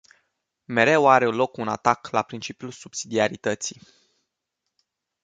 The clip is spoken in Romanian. Mereu are loc un atac la principiul subsidiarității.